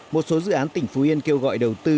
một số dự án tỉnh phú yên kêu gọi đầu tư